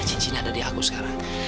cincinnya ada di aku sekarang